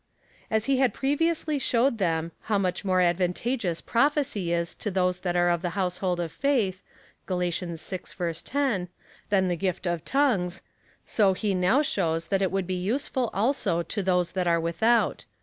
As he had previously showed them, how much more advantageous prophecy is to those that are of the household of faith (Gal. vi. 10) than the gift of tongues, so he now shows that it would be useful also to those that are without.